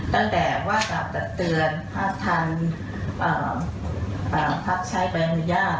ตั้งแต่ว่ากล่าวตักเตือนถ้าทางพักใช้ใบอนุญาต